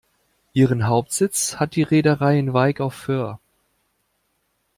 Ihren Hauptsitz hat die Reederei in Wyk auf Föhr.